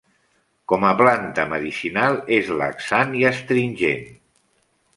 Com a planta medicinal és laxant i astringent.